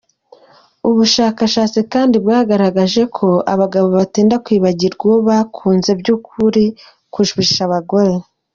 Ubushakashatsi kandi bwagaragaje ko abagabo batinda kwibagirwa uwo bakunze by’ukuri kurusha abagore.